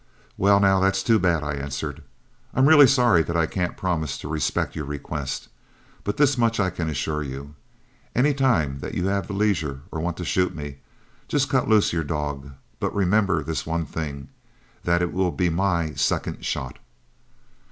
"'Well, now, that's too bad,' I answered; 'I'm really sorry that I can't promise to respect your request. But this much I can assure you: any time that you have the leisure and want to shoot me, just cut loose your dog. But remember this one thing that it will be my second shot.'"